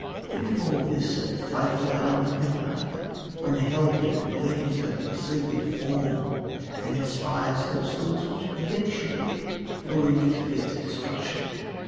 "Think of all this at the frightful hour of midnight, when the Hell demon leans over your sleeping form, and inspires those thoughts which eventually will lead you to the gates of destruction...